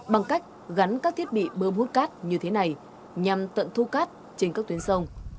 bằng cách gắn các thiết bị bơm hút cát như thế này nhằm tận thu cát trên các tuyến sông